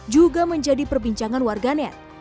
juga menjadi perbincangan warganet